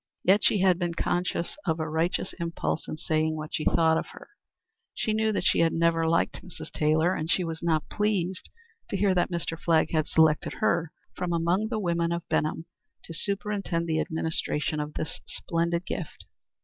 Yet she had been conscious of a righteous impulse in saying what she thought of her. She knew that she had never liked Mrs. Taylor, and she was not pleased to hear that Mr. Flagg had selected her from among the women of Benham to superintend the administration of his splendid gift.